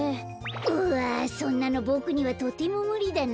うわそんなのボクにはとてもむりだな。